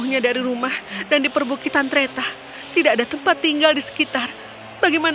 nya dari rumah dan di perbukitan kereta tidak ada tempat tinggal di sekitar bagaimana